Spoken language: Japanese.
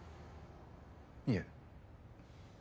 いえ。